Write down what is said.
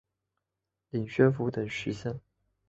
领宣府等十县。